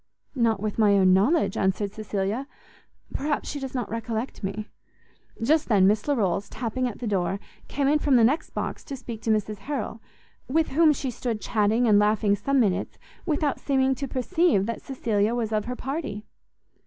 "Not with my own knowledge," answered Cecilia; "perhaps she does not recollect me." Just then Miss Larolles, tapping at the door, came in from the next box to speak to Mrs Harrel; with whom she stood chatting and laughing some minutes, without seeming to perceive that Cecilia was of her party.